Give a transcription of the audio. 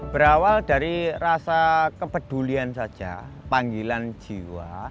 berawal dari rasa kepedulian saja panggilan jiwa